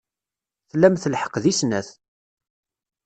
Tlamt lḥeqq deg snat.